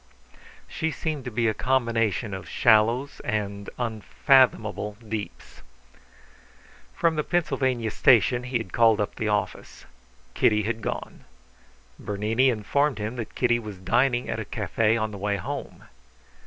She seemed to be a combination of shallows and unfathomable deeps. From the Pennsylvania Station he had called up the office. Kitty had gone. Bernini informed him that Kitty was dining at a cafe on the way home.